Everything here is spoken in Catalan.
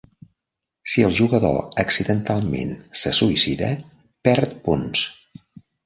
Si el jugador accidentalment se suïcida, perd punts.